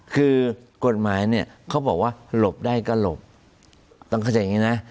คือกฎหมายเนี่ยเขาบอกว่าหลบได้ก็หลบต้องเข้าใจอย่างนี้นะ